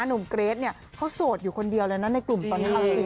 เกรทเนี่ยเขาโสดอยู่คนเดียวเลยนะในกลุ่มตอนนี้เอาจริง